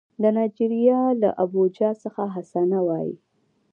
د نایجیریا له ابوجا څخه حسنه وايي